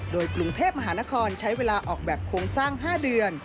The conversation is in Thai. โดยกรุงเทพมหานครใช้เวลาออกแบบโครงสร้าง๕เดือน